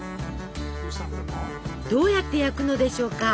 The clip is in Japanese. どうやって焼くのでしょうか。